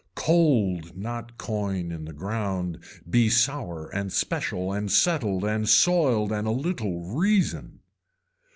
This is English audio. Cold not coin in the ground be sour and special and settled and soiled and a little reason.